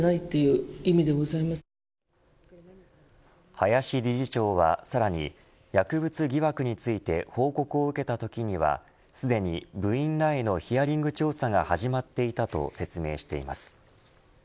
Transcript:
林理事長は、さらに薬物疑惑について報告を受けたときにはすでに部員らへのヒアリング調査が始まっていたと説明しています。